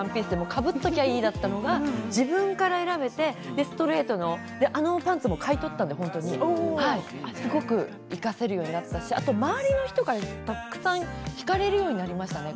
かぶっておけばいいだったのが自分で選べてストレートのあのパンツも買い取ったので本当にすごく生かせるようになったしあと周りの人からたくさん聞かれるようになりましたね。